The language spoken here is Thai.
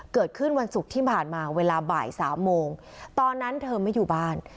เกิดขึ้นวันศุกร์ที่ผ่านมาเวลาบ่ายสามโมงตอนนั้นเธอไม่อยู่บ้าน